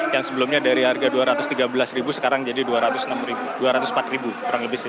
yang sebelumnya dari harga rp dua ratus tiga belas sekarang jadi rp dua ratus empat kurang lebih